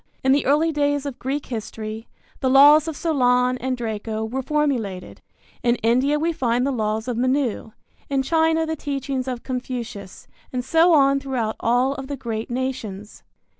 In the early days of Greek history, the laws of Solon and Draco were formulated. In India we find the laws of Manu, in China the teachings of Confucius, and so on throughout all of the great nations.